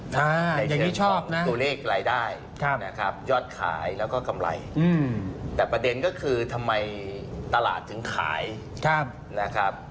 แต่อย่างนี้ชอบนะตัวเลขรายได้นะครับยอดขายแล้วก็กำไรแต่ประเด็นก็คือทำไมตลาดถึงขายนะครับ